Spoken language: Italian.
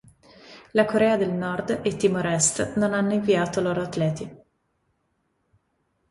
La Corea del Nord e Timor Est non hanno inviato loro atleti.